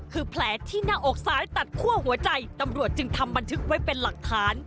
คือแผลที่หน้าอกซ้ายตัดคั่วหัวใจตำรวจจึงทำบันทึกไว้เป็นหลักฐาน